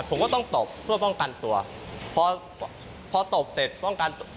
ผมก็ต้องตบเพื่อป้องกันตัวพอพอตบเสร็จป้องกัน